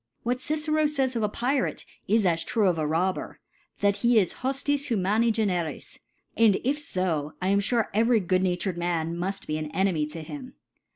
What Gcero fays of a Rrate, is as true of a Robber, that he is hqfiis bumani generis i and if fb, I am fare every good natured Man mud be an Enemy to him.